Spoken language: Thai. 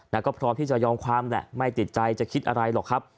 แล้วก็พร้อมที่จะยอมความแหละไม่ติดใจจะคิดอะไรหรอกครับ